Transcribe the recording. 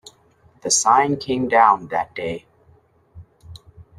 The sign came down that day.